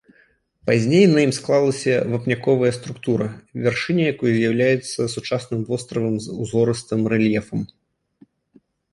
Пазней на ім склалася вапняковая структура, вяршыня якой з'яўляецца сучасным востравам з узгорыстым рэльефам.